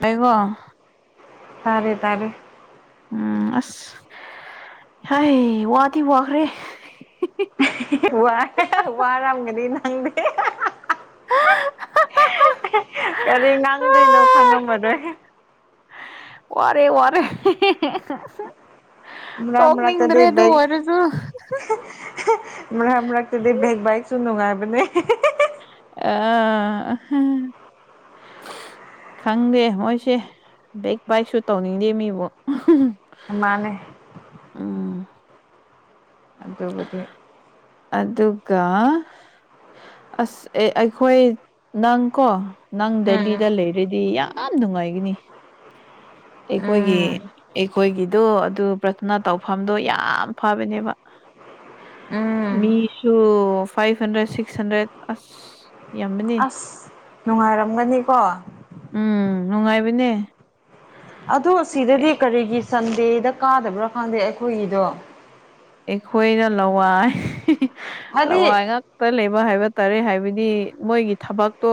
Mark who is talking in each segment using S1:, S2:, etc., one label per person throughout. S1: ꯂꯩꯩꯕꯣ
S2: ꯇꯥꯔꯦ ꯇꯥꯔꯦ
S1: ꯎꯝ ꯑꯁ ꯍꯥꯏ ꯋꯥꯗꯤ ꯋꯥꯈ꯭ꯔꯦ
S2: ꯋꯥ ꯋꯥꯔꯝꯒꯅꯤ ꯅꯪꯗꯤ ꯀꯔꯤ ꯉꯥꯡꯗꯣꯏꯅꯣ ꯈꯪꯉꯝꯃꯔꯣꯏ
S1: ꯋꯥꯔꯦ ꯋꯥꯔꯦ ꯇ‌ꯣꯛꯅꯤꯡꯗ꯭ꯔꯦ
S2: ꯃꯔꯛꯇꯗꯤ
S1: ꯑꯗꯨ
S2: ꯕꯦꯛ
S1: ꯑꯣꯏꯔꯁꯨ
S2: ꯃꯔꯛ ꯃꯔꯛ ꯇꯗꯤ ꯕ‌ꯦꯛ ꯕꯥꯏꯛꯁꯨ ꯅꯨꯡꯉꯥꯏꯕꯅꯦ
S1: [unintelligible] ꯈꯪꯗꯦ ꯃꯣꯏꯁꯦ ꯕꯦꯛ ꯕꯥꯏꯛꯁꯨ ꯇꯧꯅꯤꯡꯗꯦ ꯃꯤꯕꯨ
S2: ꯑ ꯃꯥꯅꯦ꯫
S1: ꯎꯝ꯫
S2: ꯑꯗꯨꯕꯨꯗꯤ
S1: ꯑꯗꯨꯒ ꯑꯁ ꯑꯦ ꯑꯩꯈꯣꯏ ꯅꯪꯀꯣ ꯅꯪ
S2: ꯎꯝ
S1: ꯗꯦꯂꯤꯗ ꯂꯩꯔꯗꯤ ꯌꯥꯝ ꯅꯨꯡꯉꯥꯏꯒꯅꯤ ꯑꯩꯈꯣꯏꯒꯤ
S2: ꯎꯝ
S1: ꯑꯩꯈꯣꯏꯒꯤꯗꯣ ꯑꯗꯨ ꯄ꯭ꯔꯊꯅꯥ ꯇꯧꯐꯝꯗꯣ ꯌꯥꯝ ꯐꯕꯅꯦꯕ꯫
S2: ꯎꯝ
S1: ꯃꯤꯁꯨ ꯐꯥꯏꯚ ꯍꯟꯗ꯭ꯔꯦꯠ ꯁꯤꯁ ꯍꯟꯗ꯭ꯔꯦꯠ ꯑꯁ ꯌꯥꯝꯕꯅꯤ
S2: ꯑꯁ ꯅꯨꯡꯉꯥꯏꯔꯝꯒꯅꯤꯀꯣ꯫
S1: ꯎꯝ ꯅꯨꯡꯉꯥꯏꯕꯅꯦ꯫
S2: ꯑꯗꯣ ꯁꯤꯗꯗꯤ
S1: ꯑꯦ
S2: ꯀꯔꯤꯒꯤ ꯁꯟꯗꯦꯗ ꯀꯥꯗꯕ꯭ꯔꯥ ꯈꯪꯗꯦ ꯑꯩꯈꯣꯏꯒꯤꯗꯣ
S1: ꯑꯩꯈꯣꯏꯅ ꯂꯋꯥꯏ
S2: ꯍꯥꯏꯗꯤ
S1: ꯂꯋꯥꯏ ꯉꯥꯛ ꯇ ꯂꯩꯕ ꯍꯥꯏꯕ ꯇꯥꯔꯦ ꯍꯥꯏꯕꯗꯤ ꯃꯣꯏꯒꯤ ꯊꯕꯛꯇꯣ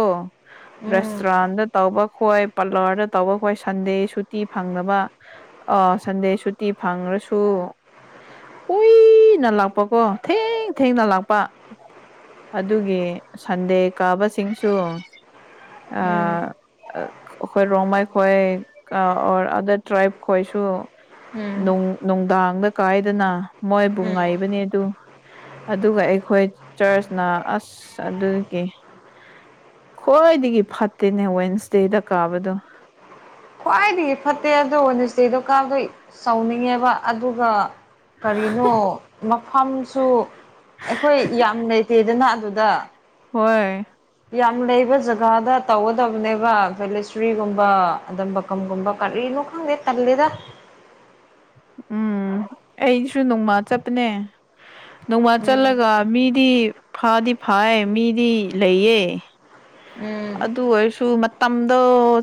S2: ꯎꯝ
S1: ꯔꯦꯁꯇꯨꯔꯥꯟꯗ ꯇꯧꯕ ꯈꯣꯏ ꯄꯥꯔꯂꯔꯗ ꯇꯧꯕ ꯈꯣꯏ ꯁꯟꯗꯦ ꯁꯨꯇꯤ ꯐꯪꯗꯕ ꯑ ꯁꯟꯗꯦ ꯁꯨꯇꯤ ꯐꯪꯉ꯭ꯔꯁꯨ ꯀꯨꯏꯅ ꯂꯥꯛꯄꯀꯣ ꯊꯦꯡ ꯊꯦꯡꯅ ꯂꯥꯛꯄ ꯑꯗꯨꯒꯤ ꯁꯟꯗꯦ ꯀꯥꯕꯁꯤꯡꯁꯨ
S2: ꯎꯝ
S1: ꯑꯩꯈꯣꯏ ꯔꯣꯃꯥꯏ ꯈꯣꯏ ꯑꯣꯔ ꯑꯗꯔ ꯇ꯭ꯔꯥꯏꯕ ꯈꯣꯏꯁꯨ
S2: ꯎꯝ
S1: ꯅꯨꯡꯗꯥꯡꯗ ꯀꯥꯏꯗꯅ ꯃꯣꯏꯕꯨ
S2: ꯎꯝ
S1: ꯉꯥꯏꯕꯅꯦ ꯑꯗꯨ ꯑꯗꯨꯒ ꯑꯩꯈꯣꯏ ꯆꯔꯆꯅ ꯑꯁ ꯑꯗꯨꯒꯤ ꯈ꯭ꯣꯏꯏꯗꯒꯤ ꯐꯠꯇꯦꯅꯦ ꯋꯦꯟꯁꯗꯦꯗ ꯀꯥꯕꯗꯣ
S2: ꯈ꯭ꯋꯥꯏꯗꯒꯤ ꯐꯠꯇꯦ ꯑꯗꯨꯣ ꯁꯦ ꯗꯨꯀꯥꯟꯗꯣ ꯁꯥꯎꯅꯤꯡꯉꯦꯕ ꯑꯗꯨꯒ ꯀꯔꯤꯅꯣ ꯃꯐꯝꯁꯨ ꯑꯩꯈꯣꯏ ꯌꯥꯝ ꯂꯩꯇꯦꯗꯅ ꯑꯗꯨꯗ꯫
S1: ꯍꯣꯏ꯫
S2: ꯌꯥꯝ ꯂꯩꯕ ꯖꯒꯥꯗ ꯇꯧꯒꯗꯕꯅꯦꯕ ꯚꯦꯂꯁꯇ꯭ꯔꯤꯒꯨꯝꯕ ꯑꯗꯨꯝꯕ ꯀꯝꯒꯨꯝꯕꯥ ꯀꯔꯤꯅ ꯈꯪꯗꯦ ꯇꯟꯂꯦꯗ꯫
S1: ꯎꯝ ꯑꯩꯁꯨ ꯅꯣꯡꯃ ꯆꯠꯄꯅꯦ꯫ ꯅꯣꯡꯃ
S2: ꯎꯝ
S1: ꯆꯠꯂꯒ ꯃꯤꯗꯤ ꯐꯥꯗꯤ ꯐꯥꯏ ꯃꯤꯗꯤ ꯂꯩꯌꯦ꯫
S2: ꯎꯝ
S1: ꯑꯗꯨ ꯑꯣꯏꯔꯁꯨ ꯃꯇꯝꯗꯣ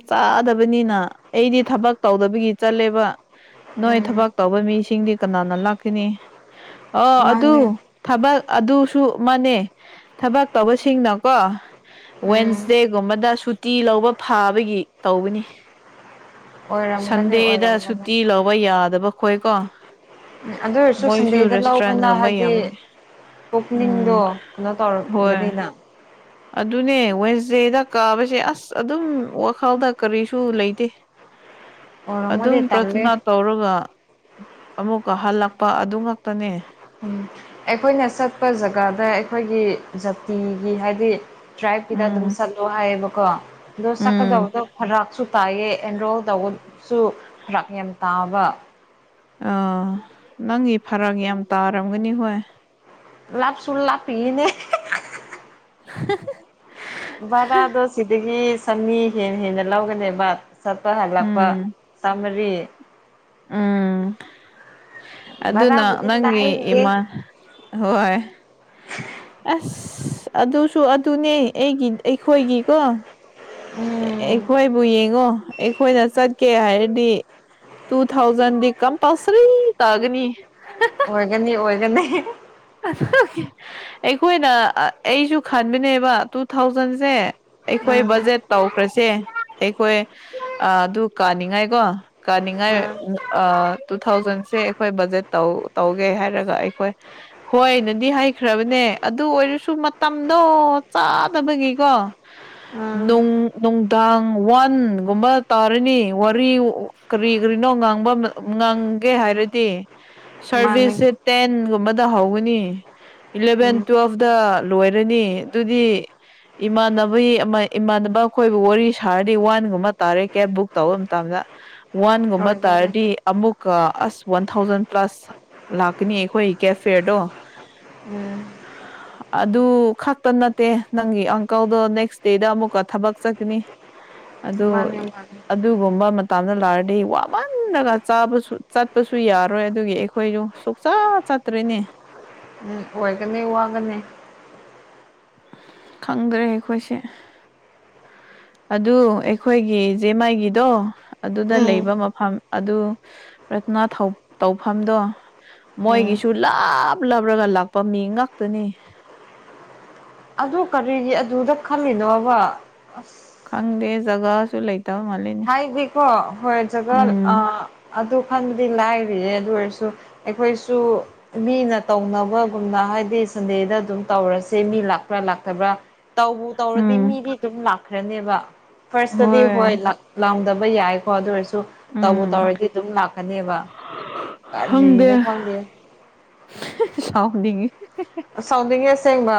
S1: ꯆꯥꯗꯕꯅꯤꯅ ꯑꯩꯗꯤ ꯊꯕꯛ ꯇꯧꯗꯕꯒꯤ ꯆꯠꯂꯦꯕ ꯅꯣꯏ
S2: ꯎꯝ
S1: ꯊꯕꯛ ꯇꯧꯕ ꯃꯤꯁꯤꯡꯗꯤ ꯀꯅꯥꯅ ꯂꯥꯛꯀꯅꯤ ꯑꯣ ꯑꯗꯨ
S2: ꯃꯥꯅꯦ
S1: ꯊꯕꯛ ꯑꯗꯨꯁꯨ ꯑꯃꯅꯦ ꯊꯕꯛ ꯇꯧꯕꯁꯤꯡꯅꯀꯣ ꯋꯦꯟ
S2: ꯎꯝ
S1: ꯗꯦꯒꯨꯝꯕꯗ ꯁꯨꯇꯤ ꯂꯧꯕ ꯐꯥꯕꯒꯤ ꯇꯧꯕꯅꯤ꯫
S2: ꯑꯣꯏꯔꯝꯒꯅꯤ
S1: ꯁꯟꯗꯦꯗ
S2: ꯑꯣꯏꯔꯝꯒꯅꯤ
S1: ꯁꯨꯇꯤ ꯂꯧꯕ ꯌꯥꯗꯕ ꯈꯣꯏꯀꯣ꯫
S2: ꯎꯝ ꯑꯗꯨ ꯑꯣꯏꯔꯁꯨ
S1: ꯃꯣꯏꯁꯨ
S2: ꯁꯟꯗꯦꯗ ꯂꯧꯕꯅ
S1: ꯔꯦꯁꯇꯨꯔꯦꯟꯒꯨꯝꯕ
S2: ꯍꯥꯏꯗꯤ꯫
S1: ꯌꯥꯝꯕꯅꯤ
S2: ꯄꯨꯛꯅꯤꯡꯗꯣ
S1: ꯎꯝ
S2: ꯀꯩꯅꯣ
S1: ꯍꯣꯏ
S2: ꯇꯧꯔꯒꯅꯤꯅ
S1: ꯑꯗꯨꯅꯦ ꯁ ꯆꯦꯗ ꯀꯥꯕꯁꯦ ꯑꯁ ꯑꯗꯨꯝ ꯋꯥꯈꯜꯗ ꯀꯔꯤꯁꯨ ꯂꯩꯇꯦ ꯑꯗꯨꯝ
S2: ꯑꯣꯏꯔꯝꯃꯗꯤ ꯇꯜꯂꯦ
S1: ꯄ꯭ꯔꯊꯅꯥ ꯇꯧꯔꯒ ꯑꯃꯨꯛꯀ ꯍꯜꯂꯛꯄ ꯑꯗꯨ ꯉꯥꯛꯛꯇꯅꯦ꯫
S2: ꯎꯝ ꯑꯩꯈꯣꯏꯅ ꯆꯠꯄ ꯖꯒꯥꯗ ꯑꯩꯈꯣꯏꯒꯤ ꯖꯥꯇꯤꯒꯤ ꯍꯥꯏꯗꯤ ꯇ꯭ꯔꯥꯏꯞꯀꯤꯗ ꯑꯗꯨꯝ
S1: ꯎꯝ
S2: ꯁꯠꯂꯣ ꯍꯥꯏꯌꯦꯕꯀꯣ ꯑꯗꯣ
S1: ꯎꯝ
S2: ꯁꯛꯀꯗꯕꯗꯣ ꯗꯔꯛ ꯇꯥꯏꯌꯦ ꯑꯦꯟꯔꯣꯜ ꯇꯧꯕꯁꯨ ꯈꯔꯥꯛ ꯌꯥꯝ ꯇꯥꯕ꯫
S1: ꯑꯥ ꯅꯪꯒꯤ ꯐꯔꯛ ꯌꯥꯝ ꯇꯥꯔꯝꯒꯅꯤ ꯍꯣꯏ꯫
S2: ꯂꯥꯞꯁꯨ ꯂꯥꯄꯤꯅꯦ
S1: ꯍꯦ ꯍꯦ
S2: ꯚꯔꯥꯗꯣ ꯁꯤꯗꯒꯤ ꯆꯅꯤ ꯍꯦꯟꯅ ꯍꯦꯟꯅ ꯂꯧꯒꯅꯦꯕ ꯆꯠꯄ ꯍꯜꯂꯛꯄ꯫
S1: ꯎꯝ
S2: ꯇꯃꯔꯤ
S1: ꯎꯝ ꯑꯗꯨꯅ
S2: ꯚꯔꯥꯕꯨꯗꯤ
S1: ꯅꯪꯒꯤ
S2: ꯂꯥꯏꯔꯤꯌꯦ
S1: ꯏꯃꯥꯟ ꯍꯣꯏ꯫ ꯑꯁ ꯑꯗꯨꯁꯨ ꯑꯗꯨꯅꯦ ꯑꯩꯒꯤ ꯑꯩꯈꯣꯏꯒꯤꯀꯣ꯫
S2: ꯎꯝ
S1: ꯑꯩꯈꯣꯏꯕꯨ ꯌꯦꯡꯉꯣ ꯑꯩꯈꯣꯏꯅ ꯆꯠꯀꯦ ꯍꯥꯏꯔꯗꯤ ꯇꯨ ꯊꯥꯎꯖꯦꯟꯗꯤ ꯀꯝꯄꯜꯁꯔꯤ ꯇꯥꯒꯅꯤ
S2: ꯑꯣꯏꯒꯅꯤ ꯑꯣꯏꯒꯅꯤ
S1: ꯑꯩꯈꯣꯏꯅ ꯑꯩꯁꯨ ꯈꯟꯕꯅꯦꯕ ꯇꯨ ꯊꯥꯎꯖꯟꯁꯦ ꯑꯩꯈꯣꯏ
S2: ꯎꯝ
S1: ꯕꯖꯦꯠ ꯇꯧꯈ꯭ꯔꯁꯦ ꯑꯩꯈꯣꯏ ꯑꯗꯨ ꯀꯥꯅꯤꯡꯉꯥꯏꯀꯣ ꯀꯥꯅꯤꯡꯉꯥꯏ
S2: ꯎꯝ
S1: ꯇꯨ ꯊꯥꯎꯖꯟꯁꯦ ꯑꯩꯈꯣꯏ ꯕꯖꯦꯠ ꯇꯧ ꯇꯧꯒꯦ ꯍꯥꯏꯔꯒ ꯑꯩꯈꯣꯏ [unintelligible] ꯍꯣꯏꯅꯗꯤ ꯍꯩꯈ꯭ꯔꯕꯅꯦ ꯑꯗꯨ ꯑꯣꯏꯔꯁꯨ ꯃꯇꯝꯗꯣ ꯆꯥꯗꯕꯒꯤꯀꯣ
S2: ꯎꯝ
S1: ꯅꯨꯡ ꯅꯨꯡꯗꯥꯡ ꯋꯥꯟꯒꯨꯝꯕ ꯇꯧꯔꯤꯅꯤ ꯋꯥꯔꯤ ꯀꯔꯤ ꯀꯔꯤꯅꯣ ꯉꯥꯡꯕ ꯉꯥꯡꯒꯦ ꯍꯥꯏꯔꯗꯤ
S2: ꯃꯥꯅꯤ
S1: ꯁꯔꯚꯤꯁꯁꯦ ꯇꯦꯟꯒꯨꯝꯕꯗ ꯍꯧ ꯅꯤ ꯏꯂꯦꯚꯦꯟ
S2: ꯎꯝ
S1: ꯇꯨꯋꯦꯜꯚꯇ ꯂꯣꯏꯔꯅꯤ ꯑꯗꯨꯗꯤ꯫ ꯏꯃꯥꯟꯅꯕ ꯏꯃꯥꯟꯅꯕ ꯑꯩꯈꯣꯏꯕꯨ ꯋꯥꯔꯤ ꯁꯥꯔꯗꯤ ꯋꯥꯟꯒꯨꯝꯕ ꯇꯥꯔꯦ ꯀꯦꯕ ꯕꯨꯛ ꯇꯧꯕ ꯃꯇꯝꯗ ꯋꯥꯟꯒꯨꯝꯕ
S2: ꯑꯣꯏꯒꯅꯤ
S1: ꯇꯥꯔꯗꯤ ꯑꯃꯨꯛꯀ ꯑꯁ ꯋꯥꯟ ꯊꯥꯎꯖꯟ ꯄ꯭ꯂꯁ ꯂꯥꯛꯀꯅꯤ ꯑꯩꯈꯣꯏ ꯀꯦꯐꯦꯗꯣ
S2: ꯎꯝ
S1: ꯍꯥ ꯑꯗꯨ ꯈꯛꯇ ꯅꯠꯇꯦ ꯅꯪꯒꯤ ꯑꯪꯀꯜꯗꯣ ꯅꯦꯛꯁ ꯗꯦꯗ ꯑꯃꯨꯛꯀ ꯊꯕꯛ ꯆꯠꯈꯤꯅꯤ ꯑꯗꯣ
S2: ꯃꯥꯅꯤ ꯃꯥꯅꯤ
S1: ꯑꯗꯨꯒꯨꯝꯕ ꯃꯇꯗ ꯂꯥꯔꯗꯤ ꯋꯥꯃꯜꯂꯒ ꯆꯥꯕꯁꯨ ꯆꯠꯄꯁꯨ ꯌꯥꯔꯣꯏ ꯑꯗꯨꯒꯤ ꯑꯩꯈꯣꯏꯁꯨ ꯆ ꯆꯠꯇ꯭ꯔꯦꯅꯦ
S2: ꯑꯣꯏꯒꯅꯤ ꯋꯥꯒꯅꯤ
S1: ꯈꯪꯗ꯭ꯔꯦ ꯑꯩꯈꯣꯏꯁꯦ ꯑꯗꯨ ꯑꯩꯈꯣꯏꯒꯤ ꯖꯦ ꯃꯥꯏꯒꯤꯗꯣ ꯑꯗꯨꯗ
S2: ꯎꯝ
S1: ꯂꯩꯕ ꯃꯐꯝ ꯑꯗꯨ ꯔꯠꯅꯥ ꯇꯧꯐꯝꯗꯣ
S2: ꯎꯝ
S1: ꯃꯣꯏꯒꯤꯁꯨ ꯂꯥꯞ ꯂꯥꯞꯂꯒ ꯂꯥꯛꯄ ꯃꯤ ꯉꯥꯛꯇꯅꯤ
S2: ꯑꯗꯨ ꯀꯔꯤꯒꯤ ꯑꯗꯨꯗ ꯈꯜꯂꯤꯃꯤꯅꯣꯕ ꯑꯁ
S1: ꯈꯪꯗꯦ ꯖꯒꯥꯁꯨ ꯂꯩꯇꯕ ꯃꯥꯜꯂꯦ
S2: ꯍꯥꯏꯕꯤꯀꯣ ꯍꯣꯏ ꯖꯒꯥ ꯑꯗꯨ ꯈꯟꯕꯗꯤ ꯂꯥꯏꯔꯤꯌꯦ ꯑꯗꯨ ꯑꯣꯏꯔꯁꯨ ꯑꯩꯈꯣꯏꯁꯨ ꯃꯤꯅ ꯇꯧꯅꯕꯒꯨꯝꯅ ꯍꯥꯏꯗꯤ ꯁꯟꯗꯦꯗ ꯑꯗꯨꯝ ꯇꯧꯔꯁꯦ ꯃꯤ ꯂꯥꯛꯄ꯭ꯔꯥ ꯂꯥꯛꯇꯕ꯭ꯔꯥ ꯇꯧꯕ ꯇꯧꯔꯗꯤ
S1: ꯎꯝ
S2: ꯃꯤꯗꯤ ꯑꯗꯨꯝ ꯂꯥꯛꯈ꯭ꯔꯅꯦꯕ ꯐꯥꯔꯁꯇꯗꯤ ꯍꯣꯏ ꯂꯥꯎꯗꯕ ꯌꯥꯏꯀꯣ ꯑꯗꯨ ꯑꯣꯏꯔꯁꯨ ꯇꯧꯕ ꯇꯧꯔꯗꯤ ꯑꯗꯨꯝ ꯂꯥꯛꯀꯅꯦꯕ ꯀꯔꯤꯅꯣ
S1: ꯍꯪꯗꯦ
S2: ꯈꯪꯗꯦ
S1: ꯁꯥꯎꯅꯤꯡꯉꯤ
S2: ꯁꯥꯎꯗꯤꯡꯉꯦ ꯑꯁꯦꯡꯕ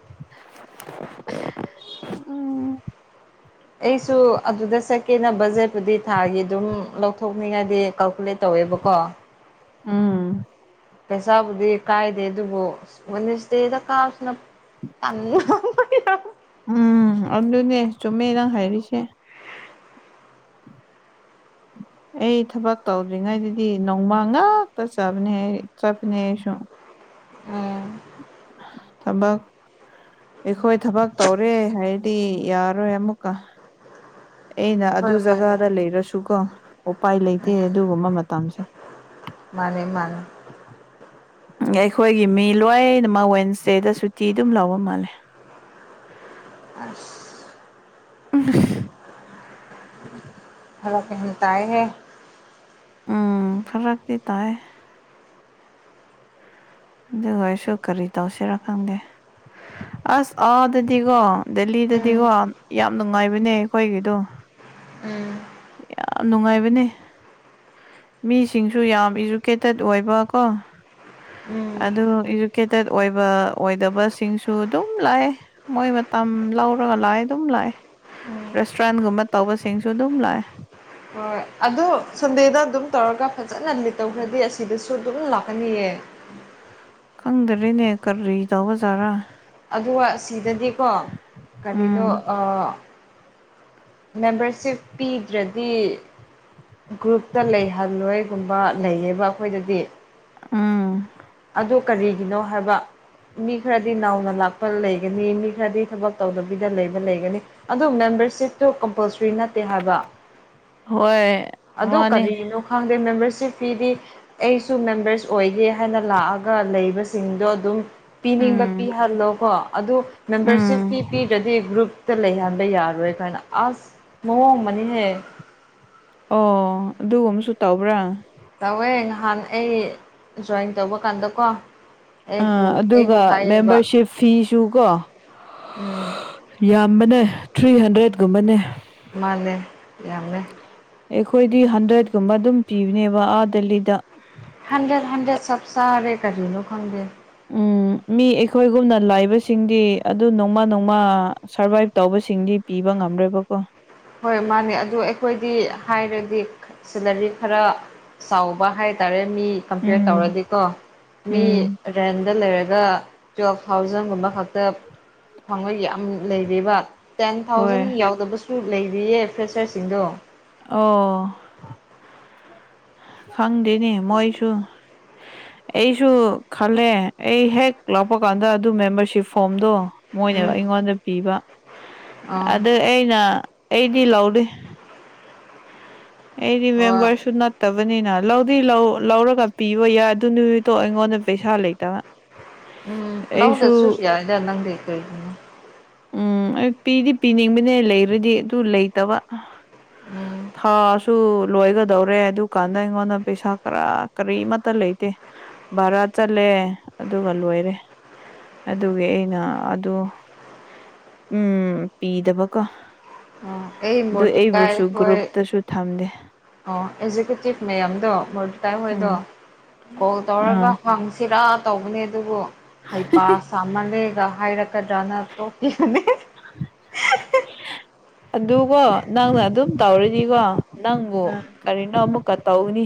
S1: [unintelligible] ꯎꯝ
S2: ꯑꯩꯁꯨ ꯑꯗꯨꯗ ꯆꯠꯀꯦꯅ ꯕꯖꯦꯠꯄꯨꯗꯤ ꯊꯥꯒꯤ ꯑꯗꯨꯝ ꯂꯧꯊꯣꯛꯅꯤꯡꯉꯥꯏꯗꯤ ꯀꯥꯜꯀꯨꯂꯦꯠ ꯇꯧꯋꯦꯕꯀꯣ
S1: ꯎꯝ
S2: ꯄꯩꯁꯥꯕꯨꯗꯤ ꯀꯥꯏꯗꯦ ꯑꯗꯨꯕꯨ ꯁꯗꯦꯗ ꯀꯥꯁꯤꯅ
S1: ꯎꯝ ꯑꯗꯨꯅꯦ ꯆꯨꯝꯃꯦ ꯅꯪ ꯍꯥꯏꯔꯤꯁꯦ ꯑꯩ ꯊꯕꯛ ꯇꯧꯗ꯭ꯔꯤꯉꯩꯗꯗꯤ ꯅꯣꯡꯃ ꯉꯥꯛꯇ ꯆꯥꯕꯅꯦ ꯆꯠꯄꯅꯦ ꯑꯩ ꯁ
S2: ꯎꯝ
S1: ꯊꯕꯛ ꯑꯩꯈꯣꯏ ꯊꯕꯛ ꯇꯧꯔꯦ ꯍꯥꯏꯗꯤ ꯌꯥꯔꯣꯏ ꯑꯃꯨꯛꯀ ꯑꯩꯅ
S2: ꯍꯣꯏ
S1: ꯑꯗꯨ
S2: ꯃꯥꯅꯦ
S1: ꯖꯒꯥꯗ ꯂꯩꯔꯁꯨꯀꯣ ꯎꯄꯥꯏ ꯂꯩꯇꯦ
S2: ꯎꯝ
S1: ꯑꯗꯨꯒꯨꯝꯕ ꯃꯇꯝꯁꯦ
S2: ꯃꯥꯅꯦ ꯃꯥꯅꯦ
S1: ꯑꯩꯈꯣꯏꯒꯤ ꯃꯤ ꯂꯣꯏꯅꯃꯛ ꯋꯦꯟꯁꯗꯦꯗ ꯁꯨꯇꯤ ꯑꯗꯨꯝ ꯂꯧꯕ ꯃꯥꯜꯂꯦ
S2: ꯑꯁ
S1: [unintelligible]
S2: ꯍꯂꯛ ꯀꯍꯟ ꯇꯑ
S1: ꯎꯝ ꯐꯔꯛꯇꯤ ꯇꯥꯏ ꯑꯗꯨꯒ ꯑꯩꯁꯨ ꯀꯔꯤ ꯇꯧꯁꯤꯔꯥ ꯈꯪꯗꯦ ꯑꯁ ꯑꯥꯗꯗꯤꯀꯣ
S2: ꯎꯝ
S1: ꯗꯦꯜꯂꯤꯗꯗꯤꯀꯣ ꯌꯥꯝ ꯅꯨꯡꯉꯥꯏꯕꯅꯦ ꯑꯩꯈꯣꯏꯒꯤꯗꯣ
S2: ꯎꯝ
S1: ꯌꯥꯝ ꯅꯨꯡꯉꯥꯏꯕꯅꯦ ꯃꯤꯁꯤꯡꯁꯨ ꯌꯥꯝ ꯏꯖꯨꯀꯦꯇꯦꯠ ꯑꯣꯏꯕꯀꯣ
S2: ꯎꯝ
S1: ꯑꯗꯨ ꯏꯖꯨꯀꯦꯇꯦꯠ ꯑꯣꯏꯕ ꯑꯣꯏꯗꯕꯁꯤꯡꯁꯨ ꯑꯗꯨꯝ ꯂꯥꯛꯑꯦ ꯃꯣꯏ ꯃꯇꯝ ꯂꯧꯔꯒ ꯂꯥꯛꯑꯦ ꯑꯗꯨꯝ ꯂꯥꯛꯑꯦ ꯔꯦꯁꯇꯨꯔꯦꯟꯒꯨꯝꯕ ꯇꯧꯕꯁꯤꯡꯁꯨ ꯑꯗꯨꯝ ꯂꯥꯛꯑꯦ
S2: ꯑꯗꯣ ꯁꯟꯗꯦꯗ ꯑꯗꯨꯝ ꯇꯧꯔꯒ ꯐꯖꯅ ꯂꯤꯠ ꯇꯧꯈ꯭ꯔꯗꯤ ꯑꯁꯤꯗꯁꯨ ꯑꯗꯨꯝ ꯂꯥꯛꯀꯅꯤꯌꯦ
S1: ꯈꯪꯗꯔꯦꯅꯦ ꯀꯔꯤ ꯇꯧꯕ ꯖꯥꯔꯥ
S2: ꯑꯗꯨꯒ ꯁꯤꯗꯗꯤꯀꯣ ꯀꯔꯤꯅꯣ
S1: ꯎꯝ
S2: ꯃꯦꯝꯕꯔꯁꯤꯞ ꯄꯤꯗ꯭ꯔꯗꯤ ꯒ꯭ꯔꯨꯞꯇ ꯂꯩꯍꯜꯂꯣꯏꯒꯨꯝꯕ ꯂꯩꯌꯦꯕ ꯑꯩꯈꯣꯏꯗꯗꯤ
S1: ꯎꯝ
S2: ꯑꯗꯨ ꯀꯔꯤꯒꯤꯅꯣ ꯍꯥꯏꯕ ꯃꯤ ꯈꯔꯗꯤ ꯅꯥꯎꯅ ꯂꯥꯛꯄ ꯂꯩꯒꯅꯤ ꯃꯤ ꯈꯔꯗꯤ ꯊꯕꯛ ꯇꯧꯗꯕꯤꯗ ꯂꯩꯕ ꯂꯩꯒꯅꯤ ꯑꯗꯨ ꯃꯦꯝꯕꯔꯁꯤꯞꯇꯨ ꯀꯝꯄꯜꯁꯔꯤ ꯅꯠꯇꯦ ꯍꯥꯏꯕ
S1: ꯍꯣꯏ
S2: ꯑꯗꯨ
S1: ꯃꯥꯅꯦ
S2: ꯀꯔꯤꯅꯣ ꯈꯪꯗꯦ ꯃꯦꯝꯕꯔꯁꯤꯞ ꯐꯤꯗꯤ ꯑꯩꯁꯨ ꯃꯦꯝꯕꯔꯁ ꯑꯣꯏꯒꯦ ꯍꯥꯏꯅ ꯂꯥꯛꯑꯒ ꯂꯩꯕꯁꯤꯡꯗꯣ ꯑꯗꯨꯝ ꯄꯤꯅꯤꯡꯕ
S1: ꯎꯝ
S2: ꯄꯤꯍꯜꯂꯣ ꯀꯣ ꯑꯗꯨ ꯃꯦꯝꯕꯔꯁꯤꯞꯇꯤ
S1: ꯎꯝ
S2: ꯄꯤꯗ꯭ꯔꯗꯤ ꯒ꯭ꯔꯨꯞ ꯇ ꯂꯩꯍꯟꯕ ꯌꯥꯔꯣꯏ ꯀꯥꯏꯅ ꯑꯁ ꯃꯑꯣꯡ ꯑꯃꯅꯤꯍꯦꯛ
S1: ꯑꯣ ꯑꯗꯨꯒꯨꯝꯕꯁꯨ ꯇꯧꯕ꯭ꯔꯥ
S2: ꯇꯧꯋꯦ ꯅꯍꯥꯟ ꯑꯩ ꯖꯣꯏꯟ ꯇꯧꯕ ꯀꯥꯟꯗꯀꯣ
S1: ꯑ
S2: ꯑꯩꯕꯨ ꯑꯩꯕꯨ
S1: ꯑꯗꯨꯒ
S2: ꯍꯥꯏꯌꯦꯕ
S1: ꯃꯦꯝꯕꯔꯁꯤꯞ ꯐꯤꯁꯨ ꯀꯣ
S2: ꯎꯝ
S1: ꯌꯥꯝꯕꯅꯦ ꯊ꯭ꯔꯤ ꯍꯟꯗ꯭ꯔꯦꯠꯀꯨꯝꯕꯅꯦ
S2: ꯃꯥꯅꯦ ꯌꯥꯝꯃꯦ
S1: ꯑꯩꯈꯣꯏꯗꯤ ꯍꯟꯗ꯭ꯔꯦꯠꯀꯨꯝꯕ ꯑꯗꯨꯝ ꯄꯤꯕꯅꯦꯕ ꯑꯥ ꯗꯦꯜꯂꯤꯗ
S2: ꯍꯟꯗ꯭ꯔꯦꯠ ꯍꯟꯗ꯭ꯔꯦꯠ ꯆꯞ ꯆꯥꯔꯦ ꯀꯔꯤ ꯅꯣ ꯍꯟꯗ꯭ꯔꯦꯠ
S1: ꯑꯝ ꯃꯤ ꯑꯩꯈꯣꯏꯒꯨꯝꯅ ꯂꯥꯏꯕꯁꯤꯡꯗꯤ ꯑꯗꯨ ꯅꯣꯡꯃ ꯅꯣꯡꯃ ꯁꯔꯚꯥꯏꯚ ꯇꯧꯕꯁꯤꯡꯗꯤ ꯄꯤꯕ ꯉꯝꯔꯣꯏꯕꯀꯣ
S2: ꯍꯣꯏ ꯃꯥꯅꯦ ꯑꯗꯨ ꯑꯩꯈꯣꯏꯗꯤ ꯍꯥꯏꯔꯗꯤ ꯁꯦꯂꯔꯤ ꯈꯔ ꯆꯥꯎꯕ ꯍꯥꯏ ꯇꯔꯦ ꯃꯤ ꯀꯝꯄꯤꯌꯔ
S1: ꯎꯝ
S2: ꯇꯧꯔꯗꯤꯀꯣ ꯃꯤ
S1: ꯎꯝ
S2: ꯔꯦꯟꯗ ꯂꯩꯔꯒ ꯇꯨꯋꯦꯜꯐ ꯊꯥꯎꯖꯟꯒꯨꯝꯕ ꯈꯛꯇ ꯊꯥꯡꯉꯣꯏꯒꯤ ꯌꯥꯝ ꯂꯩꯕ ꯇꯦꯟ ꯊꯥꯎꯖꯟ
S1: ꯍꯣꯏ
S2: ꯌꯥꯎꯗꯕ ꯂꯩꯔꯤꯌꯦ ꯐ꯭ꯔꯦꯁꯔꯁꯤꯡꯗꯣ
S1: ꯑꯣ ꯈꯪꯗꯦꯅꯦ ꯃꯣꯏꯁꯨ ꯑꯩꯁꯨ ꯈꯜꯂꯦ ꯑꯩ ꯍꯦꯛ ꯂꯥꯛꯄ ꯀꯥꯟꯗ ꯑꯗꯨ ꯃꯦꯝꯕꯔꯁꯤꯞ ꯐꯣꯝꯗꯣ ꯃꯣꯏꯅ
S2: ꯎꯝ
S1: ꯑꯩꯉꯣꯟꯗ ꯄꯤꯕ
S2: ꯑꯥ
S1: ꯑꯗ ꯑꯩꯅ ꯑꯩꯗꯤ ꯂꯧꯗꯦ ꯑꯩꯗꯤ
S2: ꯍꯣꯏ
S1: ꯃꯦꯝꯕꯔꯁꯨ ꯅꯠ ꯐꯠꯇꯕꯅꯤꯅ ꯂꯧꯗꯤ ꯂꯧ ꯂꯧꯔꯒ ꯄꯤꯕ ꯌꯥꯏ ꯑꯗꯨ ꯅꯨꯃꯤꯠꯇꯣ ꯑꯩꯉꯣꯟꯗ ꯄꯩꯁꯥ ꯂꯩꯇꯕ
S2: ꯎꯝ ꯂꯪꯗ
S1: ꯑꯩꯁꯨ
S2: ꯁꯨꯁꯌꯥ ꯏꯗ ꯅꯪꯗꯤ ꯀꯣꯏ
S1: ꯎꯝ ꯑꯩ ꯄꯤꯗꯤ ꯄꯤꯅꯤꯡꯕꯅꯦ ꯂꯩꯔꯗꯤ ꯑꯗꯨ ꯂꯩꯇꯕ
S2: ꯎꯝ
S1: ꯊꯥꯁꯨ ꯁꯨ ꯂꯣꯏꯒꯗꯧꯔꯦ ꯑꯗꯨꯀꯥꯟꯗ ꯑꯩꯉꯣꯟꯗ ꯄꯩꯁꯥ ꯀꯔꯥ ꯀꯔꯤ ꯑꯃꯠꯇ ꯂꯩꯇꯦ ꯚꯔꯥ ꯆꯠꯂꯦ ꯑꯗꯨꯒ ꯂꯣꯏꯔꯦ ꯑꯗꯨꯒꯤ ꯑꯩꯅ ꯑꯗꯨ ꯎꯝ ꯄꯤꯗꯕꯀꯣ
S2: ꯑꯣ ꯑꯩ
S1: ꯑꯗꯨ
S2: ꯃꯣꯔꯇꯤꯀꯥꯏ
S1: ꯑꯩꯕꯨꯁꯨ
S2: ꯍꯣꯏ
S1: ꯒ꯭ꯔꯨꯞꯇꯁꯨ ꯊꯝꯗꯦ
S2: ꯑꯣ ꯑꯦꯛꯖꯤꯀꯨꯇꯤꯚ ꯃꯌꯥꯝꯗꯣ ꯃ ꯇꯥꯏ ꯍꯣꯏꯗꯣ
S1: ꯎꯝ
S2: ꯀꯣꯜ
S1: ꯑꯥ
S2: ꯇꯧꯔꯒ ꯍꯪꯁ ꯁꯤꯔꯥ ꯇꯧꯕꯅꯦ ꯑꯗꯨꯕꯨ ꯍꯩꯄꯥ ꯁꯥ ꯁꯥꯃꯟꯂꯦ ꯍꯥꯏꯔꯀ ꯅ ꯇꯣꯄꯤꯅꯤ
S1: ꯑꯗꯨꯀꯣ ꯅꯪꯅ ꯑꯗꯨꯝ ꯇꯧꯔꯤꯅꯤꯀꯣ ꯅꯪꯕꯨ ꯀꯔꯤꯅꯣ ꯑꯃꯨꯛꯀ ꯇꯧꯅꯤ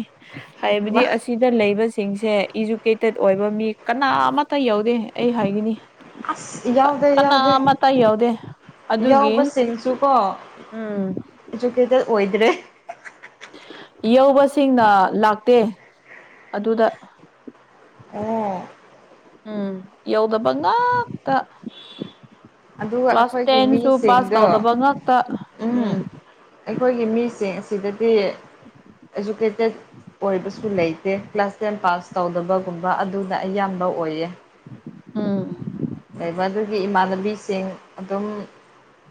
S1: ꯍꯥꯏꯕꯗꯤ ꯑꯁꯨꯛ ꯁꯤꯗ ꯂꯩꯕꯁꯤꯡꯁꯦ ꯏꯖꯨꯀꯦꯇꯦꯠ ꯑꯣꯏꯕ ꯃꯤ ꯀꯅꯥ ꯑꯃꯠꯇ ꯌꯥꯎꯗꯦ ꯑꯩ ꯍꯥꯏꯈꯤꯅꯤ
S2: ꯑꯁ ꯌꯥꯎꯗꯦ ꯌꯥꯎꯗꯦ
S1: ꯌꯧꯗꯦ ꯑꯗꯨꯒꯤ
S2: ꯌꯥꯎꯕꯁꯤꯡꯁꯨ ꯀꯣ
S1: ꯎꯝ
S2: ꯏꯖꯨꯀꯦꯇꯦꯠ ꯑꯣꯏꯗ꯭ꯔꯦ
S1: ꯌꯧꯕꯁꯤꯡꯅ ꯂꯥꯛꯇꯦ ꯑꯗꯨꯗ
S2: ꯑꯣ
S1: ꯎꯝ ꯌꯧꯗꯕ ꯉꯥꯛꯇ
S2: ꯑꯗꯨꯒ
S1: ꯀ꯭ꯂꯥꯁ
S2: ꯑꯩꯈꯣꯏꯒꯤ
S1: ꯇꯦꯟꯁꯨ ꯄꯥꯁ
S2: ꯃꯤꯁꯤꯡꯗꯣ
S1: ꯇꯧꯗꯕ ꯉꯥꯛꯇ ꯎꯝ
S2: ꯑꯩꯈꯣꯏꯒꯤ ꯃꯤꯁꯤꯡ ꯑꯁꯤꯗꯗꯤ ꯏꯖꯨꯀꯦꯇꯦꯠ ꯑꯣꯏꯕꯁꯨ ꯂꯩꯇꯦ ꯀ꯭ꯂꯥꯁ ꯇꯦꯟ ꯄꯥꯁ ꯇꯧꯗꯕꯒꯨꯝꯕ ꯑꯗꯨꯅ ꯑꯌꯥꯝꯕ ꯑꯣꯏꯌꯦ
S1: ꯑꯝ
S2: ꯂꯩꯕ ꯑꯗꯨꯒꯤ ꯏꯃꯥꯟꯅꯕꯤꯁꯤꯡ ꯑꯗꯨꯝ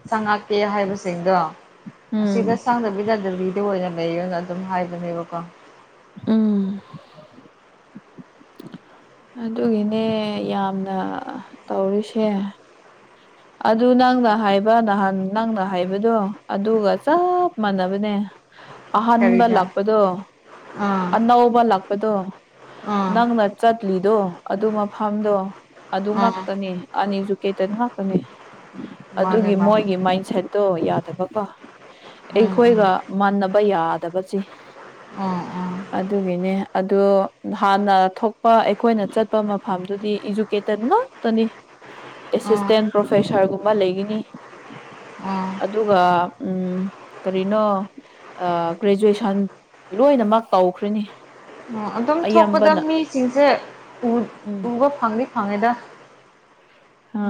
S2: ꯆꯪꯉꯛꯀꯦ ꯍꯥꯏꯕꯁꯤꯡꯗꯣ
S1: ꯎꯝ
S2: ꯑꯁꯤꯗꯁꯥꯡꯗꯕꯤꯗ ꯗꯤꯂꯤꯗ ꯑꯣꯏꯅ ꯂꯩꯔꯒ ꯑꯗꯨꯝ ꯍꯥꯏꯕꯅꯦꯕꯣ ꯀꯣ
S1: ꯎꯝ ꯑꯗꯨꯒꯤꯅꯦ ꯌꯥꯝꯅ ꯇꯧꯔꯤꯁꯦ ꯑꯗꯨ ꯅꯪꯅ ꯍꯥꯏꯕ ꯅꯍꯥꯟ ꯅꯪꯅ ꯍꯥꯏꯕꯗꯣ ꯑꯗꯨꯒ ꯆꯞ ꯃꯥꯟꯅꯕꯅꯦ [inaudible] ꯑꯍꯟꯥꯟꯕ
S2: ꯀꯔꯤꯔ
S1: ꯂꯥꯛꯄꯗꯣ
S2: ꯑꯥ
S1: ꯑꯅꯧꯕ ꯂꯥꯛꯄꯗꯣ
S2: ꯑꯥ
S1: ꯅꯪꯅ ꯀꯂꯤꯗꯣ ꯑꯗꯨ ꯃꯐꯝꯗꯣ ꯑꯗꯨ
S2: ꯑꯥ
S1: ꯉꯥꯛꯇꯅꯤ ꯑꯅꯤꯖꯨꯛꯇꯦꯠ ꯉꯥꯛꯇꯅꯤ
S2: ꯃꯥꯅꯦ
S1: ꯑꯗꯨꯒꯤ
S2: ꯃꯥꯅꯦ
S1: ꯃꯣꯏꯒꯤ ꯃꯥꯟꯢ ꯁꯦꯠꯇꯣ ꯌꯥꯗꯕꯀꯣ
S2: ꯎꯝ ꯎꯝ
S1: ꯑꯩꯈꯣꯏꯒ ꯃꯥꯟꯅꯕ ꯌꯥꯗꯕꯖꯦ
S2: ꯑꯣ ꯑꯣ
S1: ꯑꯗꯨꯒꯤꯅꯦ ꯑꯗꯨ ꯍꯥꯟꯅ ꯊꯣꯛ ꯍꯣꯏ ꯑꯩꯈꯣꯏꯅ ꯆꯠꯄ ꯃꯐꯝꯗꯨꯗꯤ ꯏꯖꯨꯀꯦꯇꯦꯠ ꯉꯥꯛꯇꯅꯤ
S2: ꯎꯝ
S1: ꯑꯦꯁꯤꯁꯇꯦꯟ ꯄ꯭ꯔꯣꯐꯦꯁꯥꯔꯒꯨꯝꯕ ꯂꯩꯒꯤꯅꯤ
S2: ꯑꯥ
S1: ꯑꯗꯨꯒ ꯎꯝ ꯀꯔꯤꯅꯣ ꯑ ꯒ꯭ꯔꯦꯖꯨꯑꯦꯁꯟ ꯂꯣꯏꯅꯃꯛ ꯇꯧꯈ꯭ꯔꯤꯅꯤ
S2: ꯑꯣ ꯑꯗꯨꯝ ꯊꯣꯛꯄꯗ ꯃꯤꯁꯤꯡꯁꯦ ꯎ
S1: ꯎꯝ
S2: ꯎꯕ ꯐꯪꯗꯤ ꯐꯪꯉꯦꯗ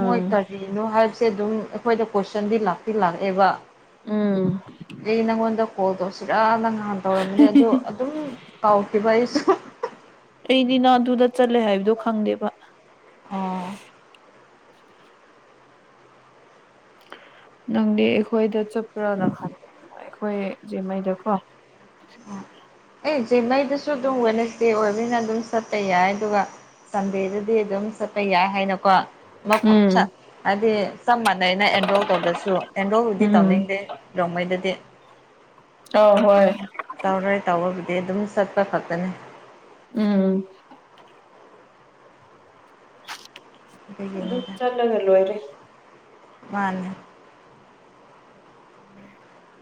S2: ꯃꯣꯏ ꯇ ꯀꯔꯤꯅꯣ ꯍꯥꯏꯕꯁꯦ ꯑꯗꯨꯝ ꯑꯩꯈꯣꯏꯗ ꯀꯣꯏꯁꯟꯗꯤ ꯂꯥꯛꯇꯤ ꯂꯥꯛꯑꯦꯕ
S1: ꯎꯝ
S2: ꯗꯤ ꯅꯪꯉꯣꯟꯗ ꯀꯣꯜ ꯇꯧꯁꯤꯔꯥꯟꯅ ꯉꯍꯥꯟ ꯇꯧꯔꯝꯕꯅꯤ ꯑꯗꯣ ꯑꯗꯨꯝ ꯀꯥꯎꯈꯤꯕ ꯑꯩꯁꯨ
S1: ꯑꯩꯗꯤ ꯅꯪ ꯑꯗꯨꯗ ꯆꯠꯂꯦ ꯍꯥꯏꯕꯗꯣ ꯈꯪꯗꯦꯕ
S2: ꯑꯣ
S1: ꯅꯪꯗꯤ ꯑꯩꯈꯣꯏꯗ ꯆꯠꯄ꯭ꯔꯥꯅ ꯈꯟꯕ ꯑꯩꯈꯣꯏ ꯖꯦꯝꯃꯩꯗꯀꯣ
S2: ꯑꯦ ꯖꯦꯝꯃꯩꯗꯨꯁꯨ ꯑꯗꯨꯝ ꯋꯦꯅꯦꯁꯗꯦ ꯑꯣꯏꯕꯅꯤꯅ ꯑꯗꯨꯝ ꯆꯠꯄ ꯌꯥꯏ ꯑꯗꯨꯒ ꯁꯟꯗꯦꯗꯗꯤ ꯑꯗꯨꯝ ꯆꯠꯄ ꯌꯥꯏ ꯍꯥꯏꯅꯀꯣ ꯃꯐꯝ
S1: ꯎꯝ
S2: ꯆꯞ ꯍꯥꯏꯗꯤ ꯆꯞ ꯃꯥꯟꯅꯩꯩꯅ ꯑꯦꯟꯔꯣꯜ ꯇꯧꯗ꯭ꯔꯁꯨ ꯑꯦꯟꯔꯣꯜꯕꯨꯗꯤ
S1: ꯎꯝ
S2: ꯇꯧꯅꯤꯡꯗꯦ ꯔꯣꯡꯃꯩꯗꯗꯤ
S1: ꯑꯧ ꯍꯣꯏ
S2: ꯇꯧꯔꯣꯏ ꯇꯧꯕꯕꯨꯗꯤ ꯑꯗꯨꯝ ꯆꯠꯄ ꯈꯛꯇꯅꯤ
S1: ꯎꯝ ꯑꯗꯨ
S2: ꯑꯗꯨꯒꯤꯅꯤꯗ
S1: ꯆꯠꯂꯒ ꯂꯣꯢꯔꯦ
S2: ꯃꯥꯟꯅꯦ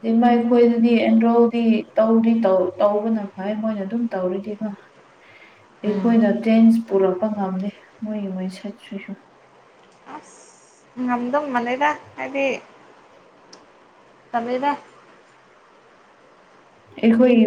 S1: ꯎꯝ ꯑꯦ ꯃꯥꯏꯈꯣꯏꯗꯗꯤ ꯑꯦꯟꯔꯣꯜꯗꯤ ꯇꯧꯗ꯭ꯔꯤ ꯇꯧ ꯇꯧꯕꯅ ꯐꯥꯏ ꯃꯣꯏꯅ ꯑꯗꯨꯝ ꯇꯧꯔꯤꯗꯤꯕ
S2: ꯎꯝ
S1: ꯑꯩꯈꯣꯏꯅ ꯇꯔ꯭ꯦꯟꯁ ꯄꯨꯔꯛꯄ ꯉꯝꯃꯤ ꯃꯣꯏꯒꯤ ꯃꯣꯏ ꯁꯠ ꯁꯁꯨ
S2: ꯑꯁ ꯉꯝꯗꯧ ꯃꯅꯦꯗ ꯍꯥꯏꯗꯤ ꯇꯜꯂꯦꯗ
S1: ꯑꯩꯈꯣꯏ ꯌꯨ